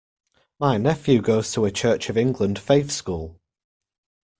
My nephew goes to a Church of England faith school